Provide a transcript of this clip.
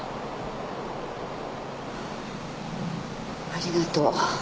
ありがとう。